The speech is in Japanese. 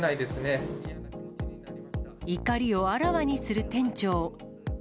怒りをあらわにする店長。